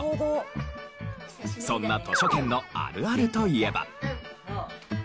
そんな図書券のあるあるといえば。